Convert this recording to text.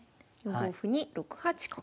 ４五歩に６八角。